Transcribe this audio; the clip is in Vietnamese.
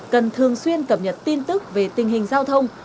cần thường xuyên cập nhật tin tức về tình hình giao thông